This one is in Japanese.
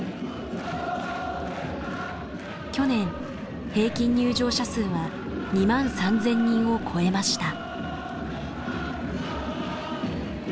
去年平均入場者数は２万３，０００人を超えました。